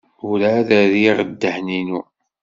Werɛad ur rriɣ ara ddehn-inu.